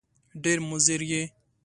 ډېر مضر یې !